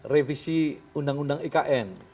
revisi undang undang ikn